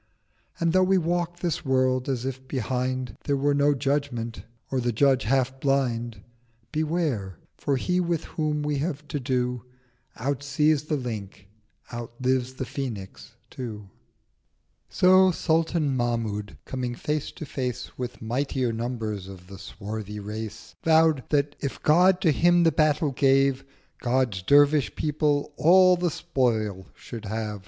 And though we walk this World as if behind 1000 There were no Judgement, or the Judge half blind, Beware, for He with whom we have to do Outsees the Lynx, outlives the Phoenix too— So Sultan Mahmud, coming Face to Face With mightier numbrs of the swarthy Race, Vow'd that if God to him the battle gave, God's Dervish People all the Spoil should have.